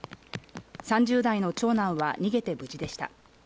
３０代の長男は逃げて無事でした。